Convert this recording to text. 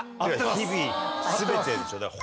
「日々」「全て」でしょ？